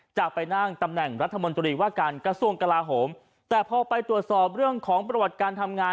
จากไปนั่งตำแหน่งรัฐมนตรีว่าการกระทรวงกลาโหมแต่พอไปตรวจสอบเรื่องของประวัติการทำงาน